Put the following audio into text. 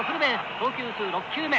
投球数６球目。